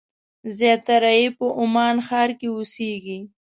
زیاتره یې په عمان ښار کې اوسېږي.